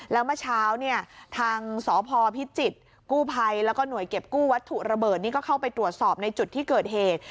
แล้วเมื่อเช้าเนี่ยทางสพพิจิตรกู้ภัยแล้วก็หน่วยเก็บกู้วัตถุระเบิดนี่ก็เข้าไปตรวจสอบในจุดที่เกิดเหตุ